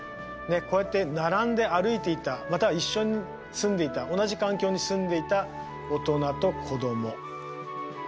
こうやって並んで歩いていたまたは一緒に住んでいた同じ環境に住んでいた大人と子供。